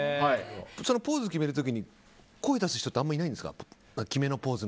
ポーズを決める時に声を出す人ってあまりいないんですか？